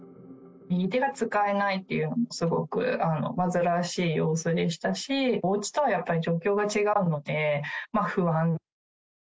右手が使えないというのが、すごく煩わしい様子でしたし、おうちとはやっぱり状況が違うので、不安。